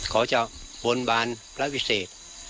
เขาจะบนบานพระวิเศษ